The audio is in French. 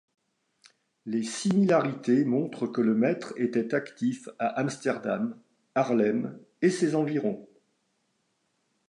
Les similarités montrent que le maître était actif à Amsterdam, Haarlem et ses environs.